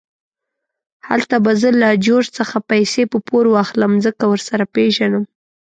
هلته به زه له جورج څخه پیسې په پور واخلم، ځکه ورسره پېژنم.